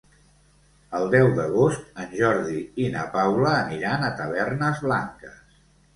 El deu d'agost en Jordi i na Paula aniran a Tavernes Blanques.